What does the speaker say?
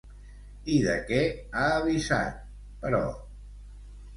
I de què ha avisat, però?